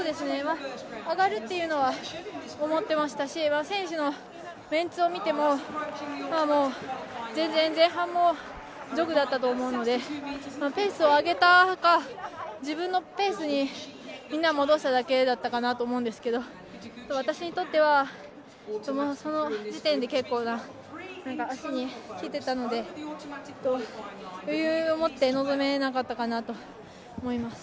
上がるっていうふうには思っていましたし、選手のメンツを見ても前半、もうジョグだったと思うんでペースを上げたというか自分のペースにみんな戻しただけだと思うんですけど私にとっては、その時点で結構足にきてたので余裕を持って臨めなかったかなと思います。